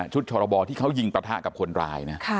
ชุดฉรบอที่เขายิงประทะกับคนราย